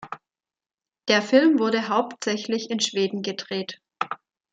Der Film wurde hauptsächlich in Schweden gedreht.